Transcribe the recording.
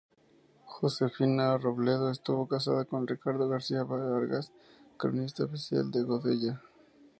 Josefina Robledo estuvo casada con Ricardo García de Vargas, cronista oficial de Godella.